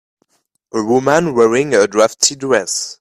A woman wearing a drafty dress